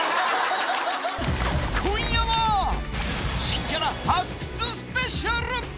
今夜は、新キャラ発掘スペシャル。